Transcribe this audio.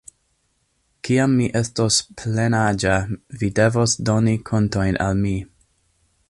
Kiam mi estos plenaĝa vi devos doni kontojn al mi.